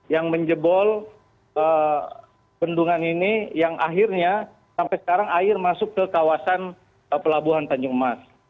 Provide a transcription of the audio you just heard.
yang menjebol bendungan ini yang akhirnya sampai sekarang air masuk ke kawasan pelabuhan tanjung emas